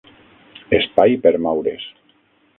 Espai per moure's